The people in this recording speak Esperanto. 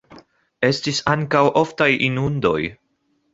Estis ankaŭ oftaj inundoj.